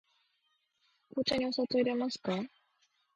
紅茶にお砂糖をいれますか。